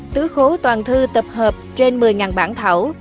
tứ khố toàn thư tập hợp trên một mươi bản thảo